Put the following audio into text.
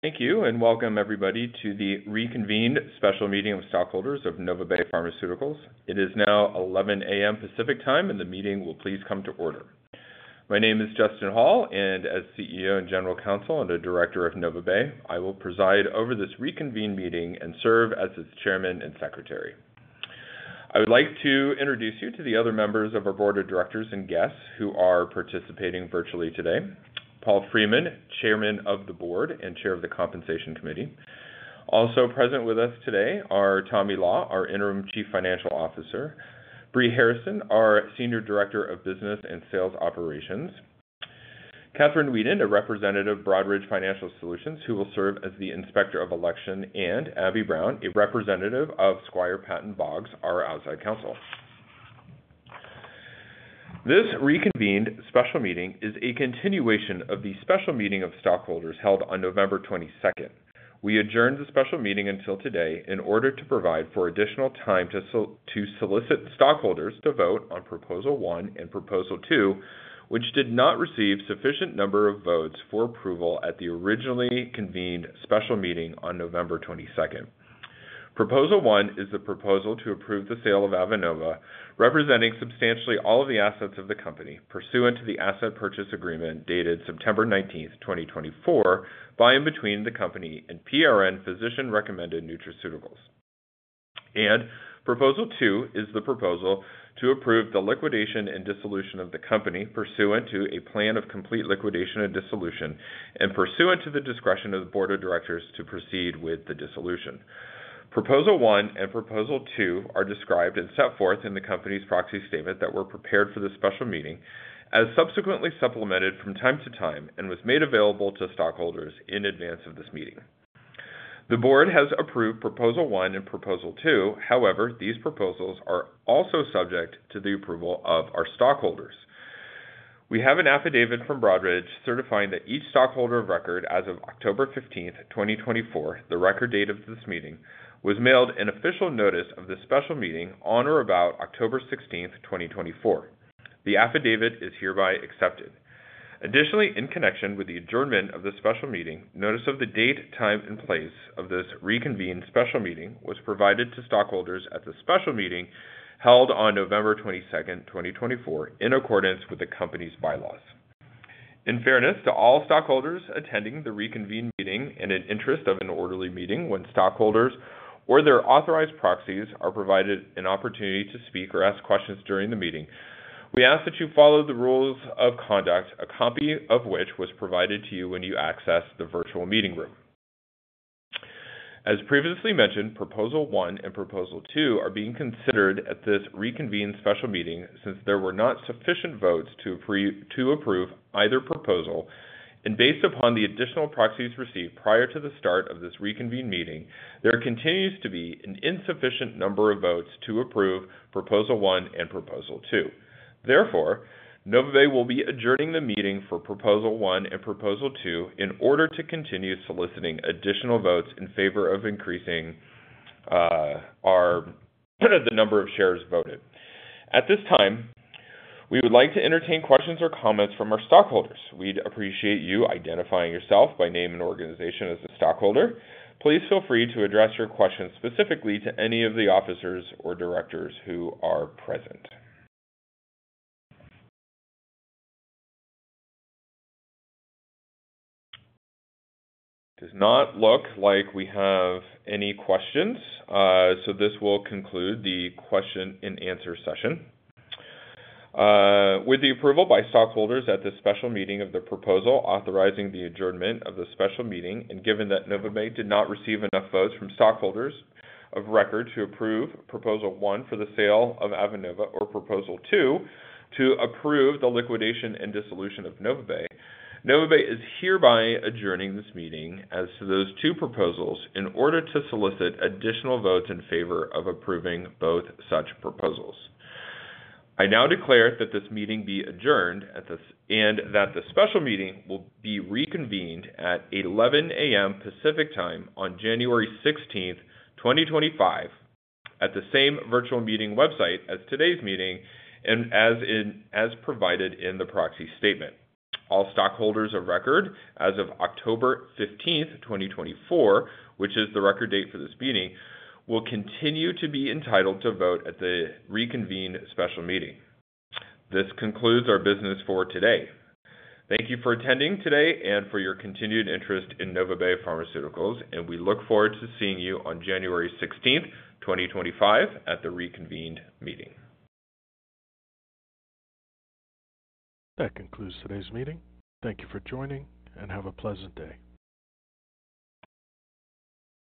Thank you, and welcome everybody to the reconvened special meeting of stockholders of NovaBay Pharmaceuticals. It is now 11:00 A.M. Pacific Time, and the meeting will please come to order. My name is Justin Hall, and as CEO and General Counsel and a director of NovaBay, I will preside over this reconvened meeting and serve as its chairman and secretary. I would like to introduce you to the other members of our board of directors and guests who are participating virtually today: Paul Freeman, chairman of the board and chair of the compensation committee. Also present with us today are Tommy Law, our interim chief financial officer; Bree Harrison, our senior director of business and sales operations; Catherine Weeden, a representative of Broadridge Financial Solutions who will serve as the inspector of election; and Abby Brown, a representative of Squire Patton Boggs, our outside counsel. This reconvened special meeting is a continuation of the special meeting of stockholders held on November 22nd. We adjourned the special meeting until today in order to provide for additional time to solicit stockholders to vote on Proposal One and Proposal Two, which did not receive sufficient number of votes for approval at the originally convened special meeting on November 22nd. Proposal One is the proposal to approve the sale of Avenova, representing substantially all of the assets of the company, pursuant to the Asset Purchase Agreement dated September 19th, 2024, by and between the company and PRN Physician Recommended Nutraceuticals, and Proposal Two is the proposal to approve the liquidation and dissolution of the company, pursuant to a plan of complete liquidation and dissolution, and pursuant to the discretion of the board of directors to proceed with the dissolution. Proposal One and Proposal Two are described and set forth in the company's proxy statement that were prepared for the special meeting as subsequently supplemented from time to time and was made available to stockholders in advance of this meeting. The board has approved Proposal One and Proposal Two. However, these proposals are also subject to the approval of our stockholders. We have an affidavit from Broadridge certifying that each stockholder of record, as of October 15th, 2024, the record date of this meeting, was mailed an official notice of the special meeting on or about October 16th, 2024. The affidavit is hereby accepted. Additionally, in connection with the adjournment of the special meeting, notice of the date, time, and place of this reconvened special meeting was provided to stockholders at the special meeting held on November 22nd, 2024, in accordance with the company's bylaws. In fairness to all stockholders attending the reconvened meeting, in the interest of an orderly meeting when stockholders or their authorized proxies are provided an opportunity to speak or ask questions during the meeting, we ask that you follow the rules of conduct, a copy of which was provided to you when you accessed the virtual meeting room. As previously mentioned, Proposal One and Proposal Two are being considered at this reconvened special meeting since there were not sufficient votes to approve either proposal. Based upon the additional proxies received prior to the start of this reconvened meeting, there continues to be an insufficient number of votes to approve Proposal One and Proposal Two. Therefore, NovaBay will be adjourning the meeting for Proposal One and Proposal Two in order to continue soliciting additional votes in favor of increasing the number of shares voted. At this time, we would like to entertain questions or comments from our stockholders. We'd appreciate you identifying yourself by name and organization as a stockholder. Please feel free to address your questions specifically to any of the officers or directors who are present. Does not look like we have any questions, so this will conclude the question-and-answer session. With the approval by stockholders at the special meeting of the proposal authorizing the adjournment of the special meeting, and given that NovaBay did not receive enough votes from stockholders of record to approve Proposal One for the sale of Avenova or Proposal Two to approve the liquidation and dissolution of NovaBay, NovaBay is hereby adjourning this meeting as to those two proposals in order to solicit additional votes in favor of approving both such proposals. I now declare that this meeting be adjourned and that the special meeting will be reconvened at 11:00 A.M. Pacific Time on January 16th, 2025, at the same virtual meeting website as today's meeting and as provided in the proxy statement. All stockholders of record, as of October 15th, 2024, which is the record date for this meeting, will continue to be entitled to vote at the reconvened special meeting. This concludes our business for today. Thank you for attending today and for your continued interest in NovaBay Pharmaceuticals, and we look forward to seeing you on January 16th, 2025, at the reconvened meeting. That concludes today's meeting. Thank you for joining, and have a pleasant day.